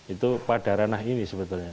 itu pada ranah ini sebetulnya